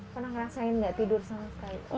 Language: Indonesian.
pernah ngerasain nggak tidur sama sekali